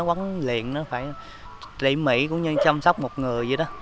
quấn luyện nó phải tỉ mỉ cũng như chăm sóc một người vậy đó